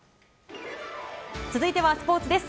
続いてはスポーツです。